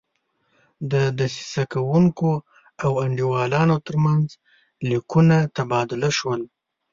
د دسیسه کوونکو او انډیوالانو ترمنځ لیکونه تبادله شول.